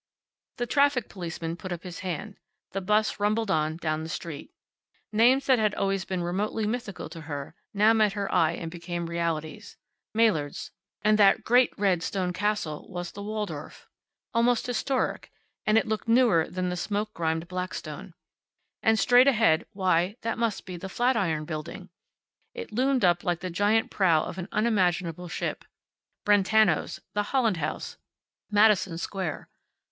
The traffic policeman put up his hand. The 'bus rumbled on down the street. Names that had always been remotely mythical to her now met her eye and became realities. Maillard's. And that great red stone castle was the Waldorf. Almost historic, and it looked newer than the smoke grimed Blackstone. And straight ahead why, that must be the Flatiron building! It loomed up like the giant prow of an unimaginable ship. Brentano's. The Holland House. Madison Square.